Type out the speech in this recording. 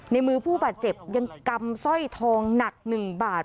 ในมือผู้บาดเจ็บยังกำสร้อยทองหนัก๑บาท